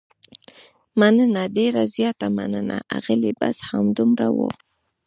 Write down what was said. مننه، ډېره زیاته مننه، اغلې، بس همدومره و.